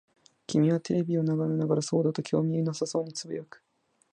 君はテレビを眺めながら、そうだ、と興味なさそうに呟く。